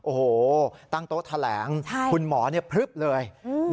โอ้โหตั้งโต๊ะแถลงคุณหมอพลึบเลย